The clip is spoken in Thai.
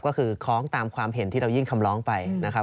ก็คือคล้องตามความเห็นที่เรายื่นคำร้องไปนะครับ